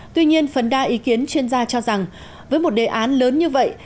tuy nhiên phần đa ý kiến chuyên gia cho rằng với một đề án lớn như vậy